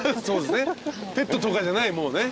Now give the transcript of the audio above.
そうですねペットとかじゃない。